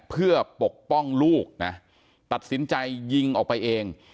เพื่อปกป้องลูกนะตัดสินใจยิงออกไปเอง